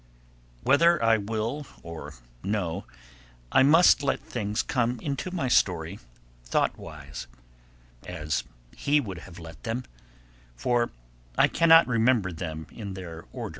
Whether I will or no I must let things come into my story thoughtwise, as he would have let them, for I cannot remember them in their order.